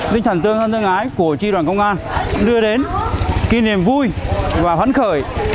ninh thần tương thân thương ái của tri đoàn công an đưa đến kỷ niệm vui và hấn khởi